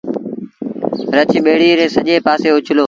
رڇ ٻيڙيٚ ري سڄي پآسي اُڇلو